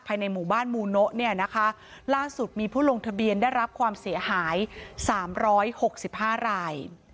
ภายในหมู่บ้านมูโนะเนี่ยนะคะล่าสุดมีผู้ลงทะเบียนได้รับความเสียหายสามร้อยหกสิบห้าราย